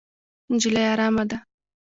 نجلۍ ارامه ده.